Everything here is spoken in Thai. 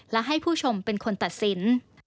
และให้ผู้ชมเป็นคนตัดสิน